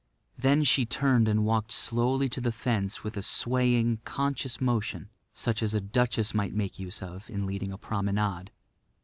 Then she turned and walked slowly to the fence with a swaying, conscious motion, such as a duchess might make use of in leading a promenade.